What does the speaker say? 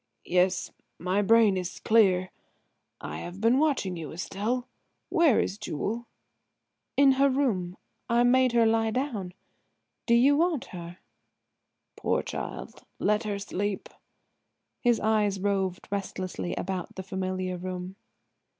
"Yes, my brain is clear. I have been watching you, Estelle. Where is Jewel?" "In her room; I made her lie down. Do you want her?" "Poor child; let her sleep." His eyes roved restlessly about the familiar room.